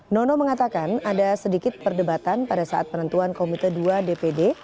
nono mengatakan ada sedikit perdebatan pada saat penentuan komite dua dpd